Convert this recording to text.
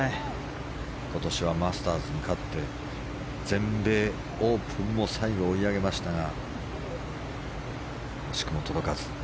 今年はマスターズで勝って全米オープンも最後、追い上げましたが惜しくも届かず。